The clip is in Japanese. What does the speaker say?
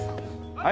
はい！